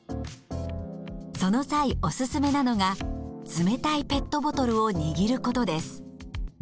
その際おすすめなのが冷たいペットボトルを握ることです。